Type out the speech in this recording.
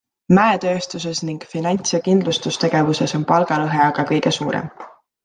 Mäetööstuses ning finants- ja kindlustustegevuses on palgalõhe aga kõige suurem.